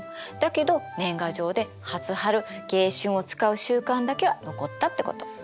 だけど年賀状で初春・迎春を使う習慣だけは残ったってこと。